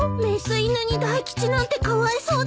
雌犬に大吉なんてかわいそうです。